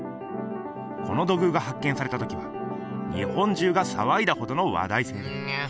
この土偶が発見されたときは日本じゅうがさわいだほどの話題性。